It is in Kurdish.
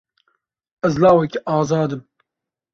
Ez lawekî azad im.